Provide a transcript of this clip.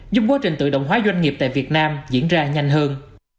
giúp quá trình tự động hóa doanh nghiệp tại việt nam diễn ra nhanh hơn